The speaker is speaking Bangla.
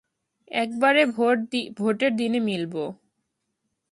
একবারে ভোটের দিন মিলবো।